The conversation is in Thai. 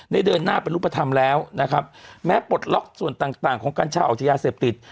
เดินหน้าเป็นรูปธรรมแล้วนะครับแม้ปลดล็อกส่วนต่างต่างของกัญชาออกจากยาเสพติด